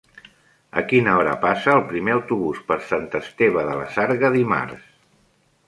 A quina hora passa el primer autobús per Sant Esteve de la Sarga dimarts?